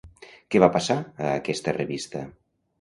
Què va passar a aquesta revista?